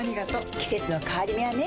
季節の変わり目はねうん。